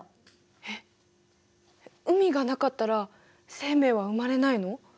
えっ海がなかったら生命は生まれないの？